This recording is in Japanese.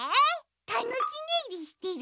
たぬきねいりしてる。